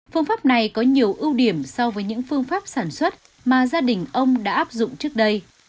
phương pháp này có nhiều ưu điểm so với những phương pháp sản xuất mà gia đình ông đã áp dụng trước đây